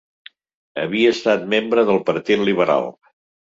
Havia estat membre del Partit Liberal.